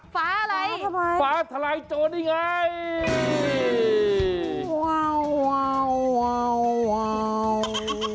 ฟ้าอะไรฟ้าทะลายโจทย์นี่ไงว้าวว้าวว้าวว้าว